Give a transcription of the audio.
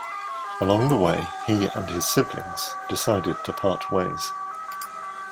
Along the way, he and his siblings decided to part ways.